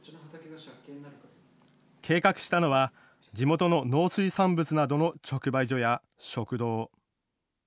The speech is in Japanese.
計画したのは地元の農水産物などの直売所や食堂。